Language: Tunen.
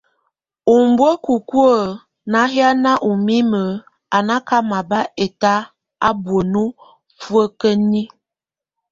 Umbuekuku nahian ɔ mimek, a náka mabat ɛtak, a buenyie fuekeniek.